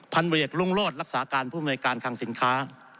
พันบริเวกรุงโลศรักษาการผู้บริการคลังสินค้า